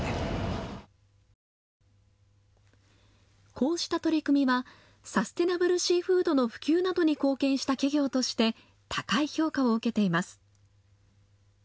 こうした取り組みはサステナブルシーフードの普及などに貢献した企業として高い評価を受けています。